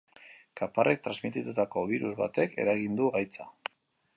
Kaparrek transmititutako birus batek eragiten du gaitza.